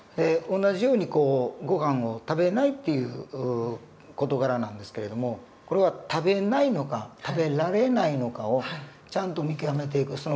同じようにごはんを食べないっていう事柄なんですけれどもこれは食べないのか食べられないのかをちゃんと見極めていく。